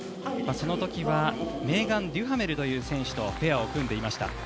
その時はメーガン・デュハメルという選手とペアを組んでいました。